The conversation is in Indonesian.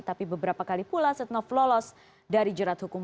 tapi beberapa kali pula setnov lolos dari jerat hukum